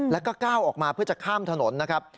แล้วก็ก้าวออกมาเพื่อจะข้ามถนนนะครับ